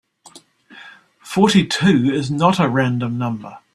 Forty-two is not a random number.